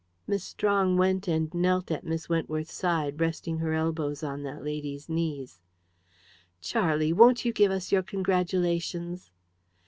Miss Strong went and knelt at Miss Wentworth's side, resting her elbows on that lady's knees. "Charlie, won't you give us your congratulations?"